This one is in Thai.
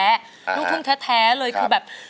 ลูกทุ่งแท้เลยคือแบบ